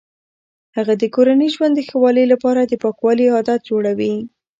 هغه د کورني ژوند د ښه والي لپاره د پاکوالي عادات جوړوي.